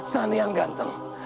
sani yang ganteng